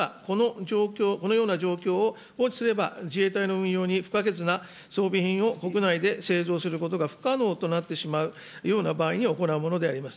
この状況、このような状況を放置すれば、自衛隊の運用に不可欠な装備品を国内で製造することが不可能となってしまうような場合に行うものであります。